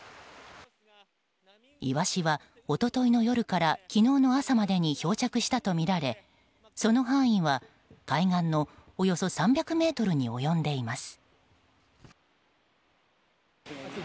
イワシは一昨日の夜から昨日の朝までに漂着したとみられその範囲は、海岸のおよそ３００ｍに及んでいます。